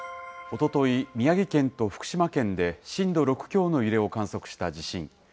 おととい、宮城県と福島県で震度６強の揺れを観測した地震。